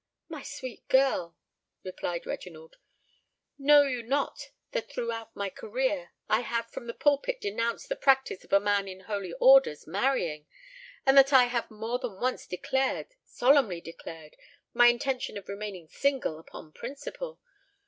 "My sweet girl," replied Reginald, "know you not that, throughout my career, I have from the pulpit denounced the practice of a man in holy orders marrying, and that I have more than once declared—solemnly declared—my intention of remaining single upon principle?